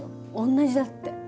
同じだって。